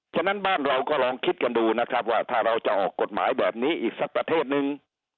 ฉะนั้นบ้านเราก็ลองคิดกันดูนะครับว่าถ้าเราจะออกกฎหมายแบบนี้อีกสักประเทศนึง